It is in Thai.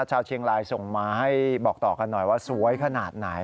ชาวเชียงรายส่งมาให้บอกต่อกันหน่อยว่าสวยขนาดไหน